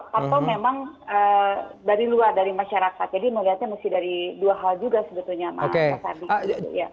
jadi melihatnya mesti dari dua hal juga sebetulnya pak sardi